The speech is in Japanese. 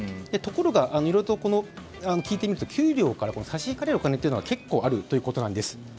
ところがいろいろ聞いてみると給料から差し引かれるお金は結構あるということなんです。